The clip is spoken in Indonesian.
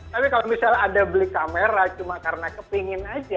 tapi kalau misalnya ada beli kamera cuma karena kepingin aja